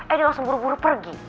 eh dia langsung buru buru pergi